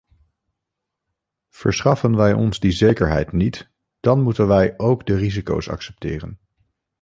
Verschaffen wij ons die zekerheid niet, dan moeten wij ook de risico's accepteren.